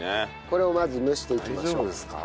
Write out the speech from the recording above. これをまず蒸していきましょう。